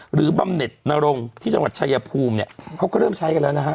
บำเน็ตนรงที่จังหวัดชายภูมิเนี่ยเขาก็เริ่มใช้กันแล้วนะฮะ